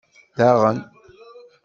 Daɣen!